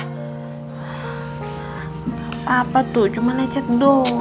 gak apa apa tuh cuma lecet doang